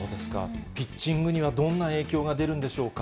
ピッチングにはどんな影響が出るんでしょうか。